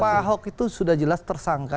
pahok itu sudah jelas tersangka